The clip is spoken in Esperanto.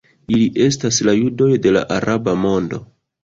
Ili estas la judoj de la araba mondo.